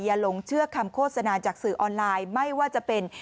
หลงเชื่อคำโฆษณาจากสื่อออนไลน์ไม่ว่าจะเป็น